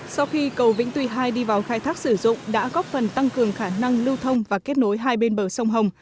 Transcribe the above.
sau khi cầu vĩnh tuy hai đi vào khai thác sử dụng đã góp phần tăng cường khả năng lưu thông và kết nối hai bên bờ sông hồng